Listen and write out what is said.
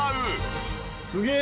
すげえ！